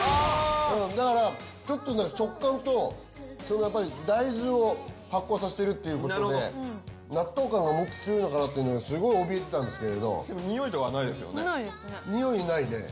だからちょっとね食感とそのやっぱり大豆を発酵させてるっていうことで納豆感がもっと強いのかなっていうのですごいおびえてたんですけれどでもにおいとかないですよねないですね